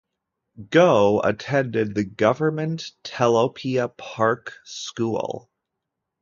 Gough attended the government Telopea Park School.